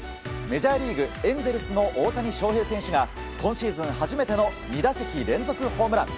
メジャーリーグエンゼルスの大谷翔平選手が今シーズン初めての２打席連続ホームラン。